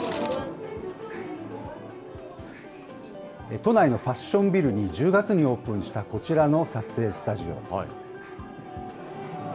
都内のファッションビルに１０月にオープンしたこちらの撮影スタジオ。